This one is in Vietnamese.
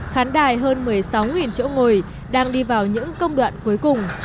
khán đài hơn một mươi sáu chỗ ngồi đang đi vào những công đoạn cuối cùng